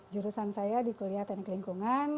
jurusan saya di kuliah teknik lingkungan